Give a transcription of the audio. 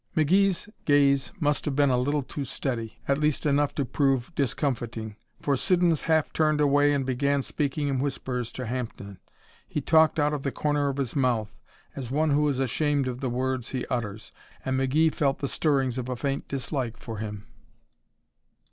McGee's gaze must have been a little too steady, at least enough to prove discomfiting, for Siddons half turned away and began speaking in whispers to Hampden. He talked out of the corner of his mouth, as one who is ashamed of the words he utters, and McGee felt the stirrings of a faint dislike for him.